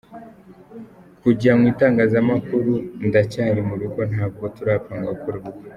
kujya mu itangazanakuru Ndacyari mu rugo ntabwo turapanga gukora ubukwe.